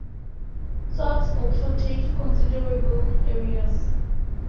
Swamps also take considerable areas.